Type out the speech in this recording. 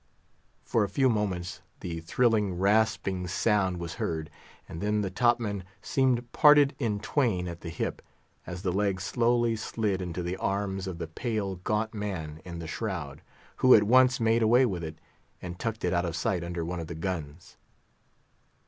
_" For a few moments the thrilling, rasping sound was heard; and then the top man seemed parted in twain at the hip, as the leg slowly slid into the arms of the pale, gaunt man in the shroud, who at once made away with it, and tucked it out of sight under one of the guns.